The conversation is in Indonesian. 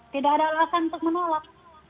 tidak ada alasan untuk menolak